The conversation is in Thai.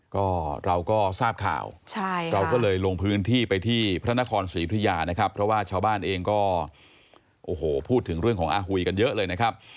ก็เราก็ทราบข่าวเราก็เลยลงพื้นที่ไปที่พระนครศรีอุทยานะครับเพราะว่าชาวบ้านเองก็โอ้โหพูดถึงเรื่องของอาหุยกันเยอะเลยนะครับ